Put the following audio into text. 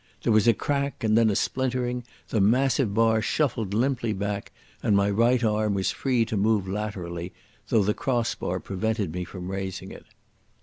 There was a crack and then a splintering, the massive bar shuffled limply back, and my right arm was free to move laterally, though the cross bar prevented me from raising it.